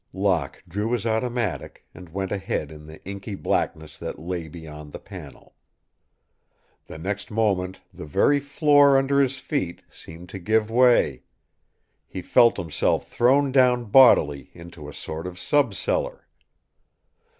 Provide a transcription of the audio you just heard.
Locke drew his automatic and went ahead in the inky blackness that lay beyond the panel. The next moment the very floor under his feet seemed to give way. He felt himself thrown down bodily into a sort of subcellar.